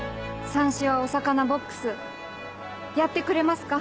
さんしはお魚ボックスやってくれますか？